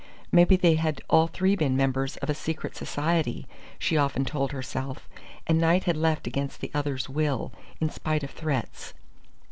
Maybe they had all three been members of a secret society, she often told herself, and Knight had left against the others' will, in spite of threats.